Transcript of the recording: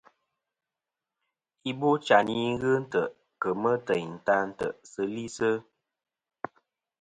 Ibochayn i ghɨ ntè' kemɨ teyn ta tɨsilisɨ.